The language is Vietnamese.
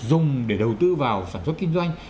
dùng để đầu tư vào sản xuất kinh doanh